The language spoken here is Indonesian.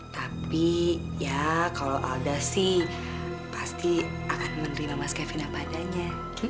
tapi ya kalau alda sih pasti akan menerima mas kevin apa adanya